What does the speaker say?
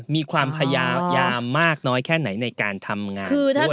มีความพยายามมากน้อยแค่ไหนในการทำงานด้วยเช่นเดียวกัน